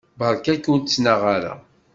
Beṛka-k ur ttnaɣ ara.